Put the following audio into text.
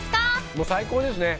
もう最高ですね。